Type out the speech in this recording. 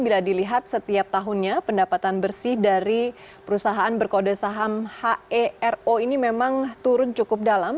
bila dilihat setiap tahunnya pendapatan bersih dari perusahaan berkode saham hero ini memang turun cukup dalam